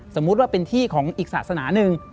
สมมุติว่าเป็นที่ของอีกศาสนาหนึ่ง